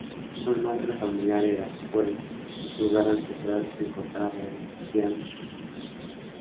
Su nombre familiar era Wei y su hogar ancestral se encontraba en Jiangsu.